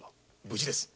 無事です。